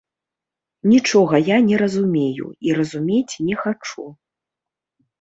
Нічога я не разумею і разумець не хачу.